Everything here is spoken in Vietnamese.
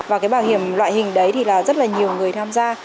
và cái bảo hiểm loại hình đấy thì là rất là nhiều người tham gia